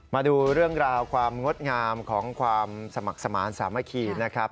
มาดูเรื่องราวความงดงามของความสมัครสมาธิสามัคคีนะครับ